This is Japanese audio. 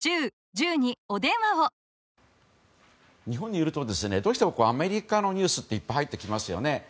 日本にいるとどうしてもアメリカのニュースっていっぱい入ってきますよね。